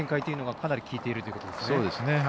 かなり効いているということですね。